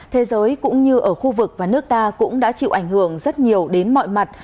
thế giới cũng như ở khu vực và nước ta cũng đã chịu ảnh hưởng rất nhiều đến mọi mặt